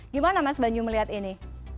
gimana mas banyu melihat ini